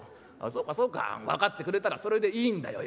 「そうかそうか分かってくれたらそれでいいんだよ。